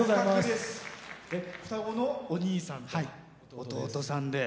双子のお兄さんと弟さんで。